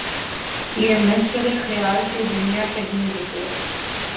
یہ محشرِ خیال کہ دنیا کہیں جسے